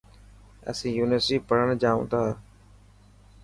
اسين يونيورسٽي پڙهڻ جائون ٿا.